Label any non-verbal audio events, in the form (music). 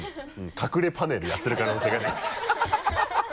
隠れパネルやってる可能性がねハハハ (laughs)